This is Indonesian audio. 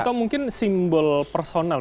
atau mungkin simbol personal